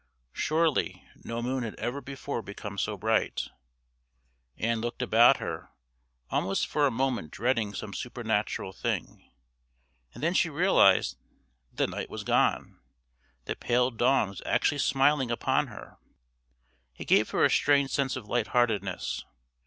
Surely no moon had ever before become so bright! Ann looked about her, almost for a moment dreading some supernatural thing, and then she realised that the night was gone, that pale dawn was actually smiling upon her. It gave her a strange sense of lightheartedness.